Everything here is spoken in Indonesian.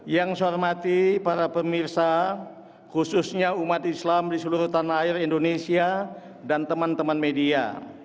yang saya hormati para pemirsa khususnya umat islam di seluruh tanah air indonesia dan teman teman media